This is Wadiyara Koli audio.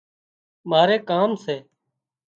ماري ڪام سي